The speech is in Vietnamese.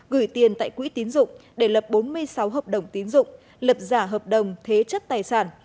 gửi tiền tại quỹ tín dụng để lập bốn mươi sáu hợp đồng tín dụng lập giả hợp đồng thế chất tài sản